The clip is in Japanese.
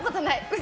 嘘！